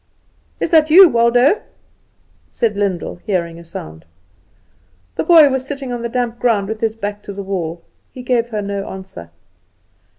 "Is that you, Waldo?" said Lyndall, hearing a sound. The boy was sitting on the damp ground with his back to the wall. He gave her no answer.